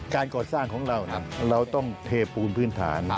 การก่อสร้างของเราเราต้องเทปูนพื้นฐาน